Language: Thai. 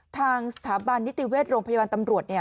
ทางสถาบันนิติเวชโรงพยาบาลตำรวจเนี่ย